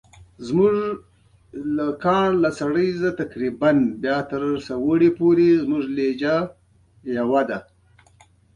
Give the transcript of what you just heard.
د سهار سپېدې چې وچاودېدې نو یو څه وشول